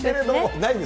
ないんです。